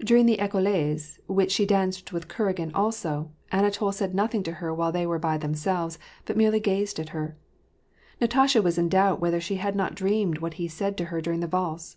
During the Ecossaise, which she danced with Kuragin also, Anatol said nothing to her while they were by themselves, but merely gazed at her. Natasha was in doubt whether she had not dreamed what he said to her during the valse.